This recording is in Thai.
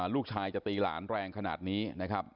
ลูกชายจะตีหลานแรงขนาดนี้นะครับ